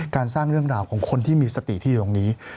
สร้างเรื่องราวของคนที่มีสติที่อยู่ตรงนี้